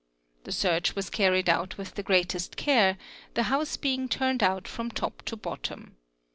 The search was carried ut with the greatest care, the house being turned out from top to bottom.